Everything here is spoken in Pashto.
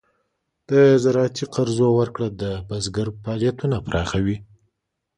د زراعتي قرضو ورکړه د بزګر فعالیتونه پراخوي.